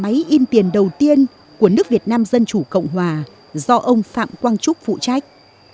nhà máy in tiền đầu tiên của nước việt nam dân chủ cộng hòa do ông phạm quang trúc phụ trách